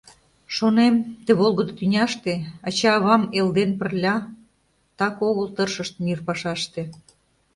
Шонем: ты волгыдо тӱняште Ача-авам эл ден пырля Так огыл тыршышт мир пашаште.